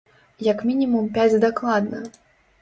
Як мінімум пяць дакладна!